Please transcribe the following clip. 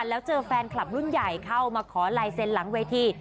แล้วเจอแฟนคลับรุ่นใหญ่เข้ามาขอลายเซ็นต์หลังเวที